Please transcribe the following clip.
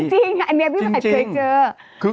จริงอันนี้พี่ผัดเคยเจอ